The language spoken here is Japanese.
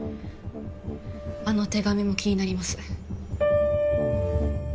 あの手紙も気になります。